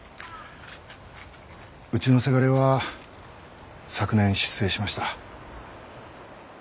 うちのせがれは昨年出征しました。